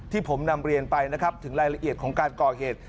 ที่ผมนำเรียนไปนะครับถึงรายละเอียดของการก่อเหตุ